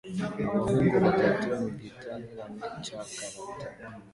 Abahungu bato mugiterane cya karate